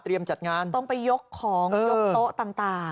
จัดงานต้องไปยกของยกโต๊ะต่าง